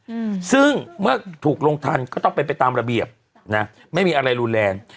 อืมซึ่งเมื่อถูกลงทันก็ต้องเป็นไปตามระเบียบนะไม่มีอะไรรุนแรง